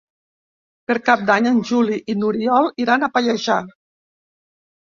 Per Cap d'Any en Juli i n'Oriol iran a Pallejà.